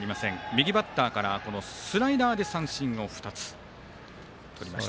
右バッターからスライダーで三振を２つとりました。